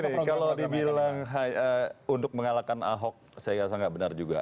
jadi gini kalau dibilang untuk mengalahkan ahok saya rasa nggak benar juga